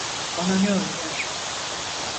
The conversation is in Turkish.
Bana ne oluyor?